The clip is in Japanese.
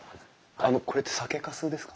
あのこれって酒かすですか？